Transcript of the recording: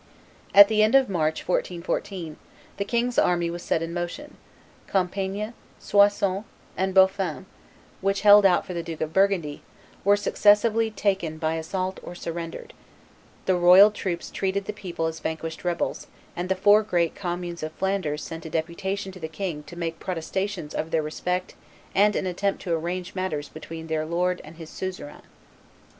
At the end of March, 1414, the king's army was set in motion; Compiegne, Soissons, and Bapaume, which held out for the Duke of Burgundy, were successively taken by assault or surrendered; the royal troops treated the people as vanquished rebels; and the four great communes of Flanders sent a deputation to the king to make protestations of their respect and an attempt to arrange matters between their lord and his suzerain.